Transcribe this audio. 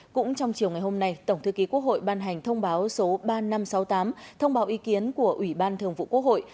cũng trong chiều ngày hôm nay tổng thư ký quốc hội ban hành thông báo số ba nghìn năm trăm sáu mươi tám thông báo ý kiến của ủy ban thường vụ quốc hội